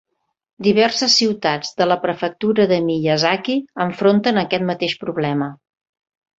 Diverses ciutats de la Prefectura de Miyazaki enfronten aquest mateix problema.